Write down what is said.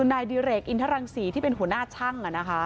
นายดิเรกอินทรังศรีที่เป็นหัวหน้าช่าง